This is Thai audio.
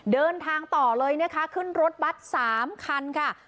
เดินทางต่อเลยนะคะขึ้นรถบัตร๓คันค่ะ